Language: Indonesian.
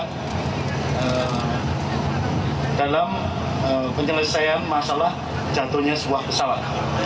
ini adalah penyelesaian masalah jatuhnya sebuah pesawat